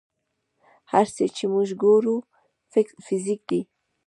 هر څه چې موږ ګورو فزیک دی.